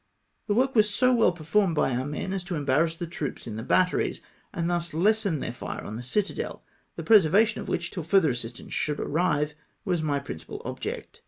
The work was so well per formed by om" men as to eml3arrass the troops in the batteries, and thus lessen then* fire on the citadel, the preservation of which, till further assistance should arrive, was my principal object.